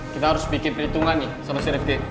kita harus bikin perhitungan nih sama si rifqi